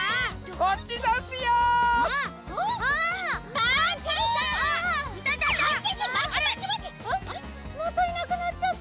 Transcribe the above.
またいなくなっちゃった。